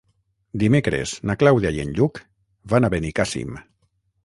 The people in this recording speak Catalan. Dimecres na Clàudia i en Lluc van a Benicàssim.